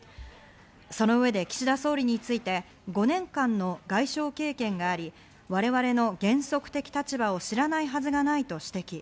その上で岸田総理について５年間の外相経験があり、我々の原則的立場を知らないはずがないと指摘。